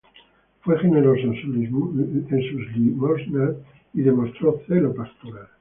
Fue generoso en sus limosnas y demostró celo pastoral.